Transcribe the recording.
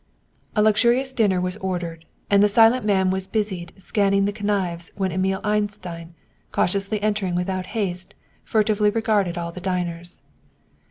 A luxurious dinner was ordered, and the silent man was busied scanning the convives when Emil Einstein, cautiously entering without haste, furtively regarded all the diners.